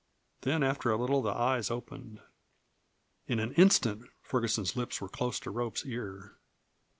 Then after a little the eyes opened. In an instant Ferguson's lips were close to Rope's ear.